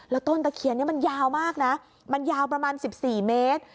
แล้วต้นตะเคียนนี้มันยาวมากนะมันยาวประมาณ๑๔เมตร